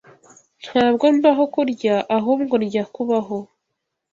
Ntabwo mbaho kurya, ahubwo ndya kubaho.